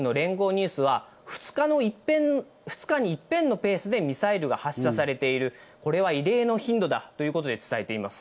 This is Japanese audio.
ニュースは、２日にいっぺんのペースでミサイルが発射されている、これは異例の頻度だということで伝えています。